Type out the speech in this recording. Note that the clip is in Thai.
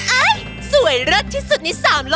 อ๊ายสวยเล็กที่สุดในสามนาที